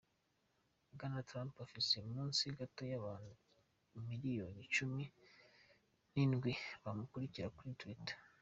Bwana Trump afise munsi gato y'abantu imiriyoni cumi n'indwi bamukurikira kuri Twitter.